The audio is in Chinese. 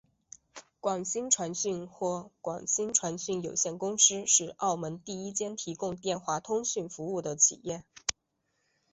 广星传讯或广星传讯有限公司是澳门第一间提供电话通讯服务的企业。